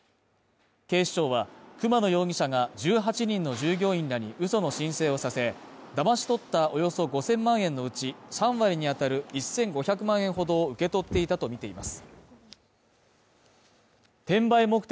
警視庁は熊野容疑者が１８人の従業員らに嘘の申請をさせだまし取ったおよそ５０００万円のうち、３割に当たる１５００万円ほど受け取っていたとみています。